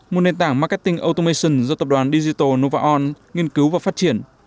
một nền tảng marketing automation do tập đoàn digital novaon nghiên cứu và phát triển